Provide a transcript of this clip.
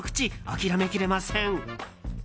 諦めきれません。